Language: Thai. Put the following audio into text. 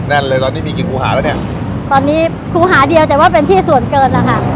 แน่นเลยตอนนี้มีกี่ครูหาแล้วเนี่ยตอนนี้ครูหาเดียวแต่ว่าเป็นที่ส่วนเกินแล้วค่ะ